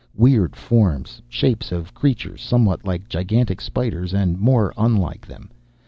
Weird forms. Shapes of creatures somewhat like gigantic spiders, and more unlike them.